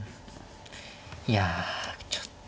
いやちょっと。